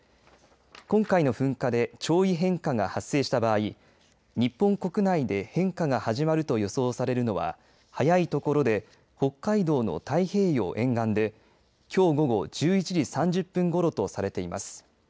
今回の噴火で潮位変化が発生した場合日本国内で変化が始まると予想されるのは早い所で北海道の太平洋沿岸できょう午後１１時３０分ごろとされています。